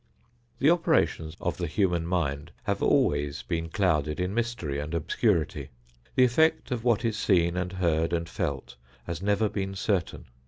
The operations of the human mind have always been clouded in mystery and obscurity. The effect of what is seen and heard and felt has never been certain.